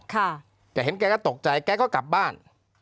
แต่เห็นแกก็ตกใจแกก็กลับบ้าน